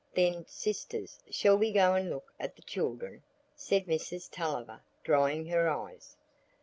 "Then, sisters, shall we go and look at the children?" said Mrs Tulliver, drying her eyes.